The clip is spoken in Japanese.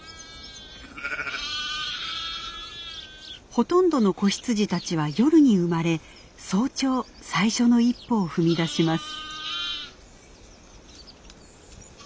ほとんどの子羊たちは夜に生まれ早朝最初の一歩を踏み出します。